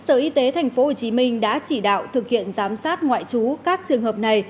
ubnd đã chỉ đạo thực hiện giám sát ngoại chú các trường hợp này